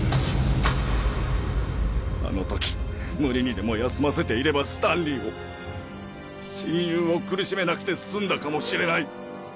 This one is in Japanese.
あのとき無理にでも休ませていればスタンリーを親友を苦しめなくて済んだかもしれない。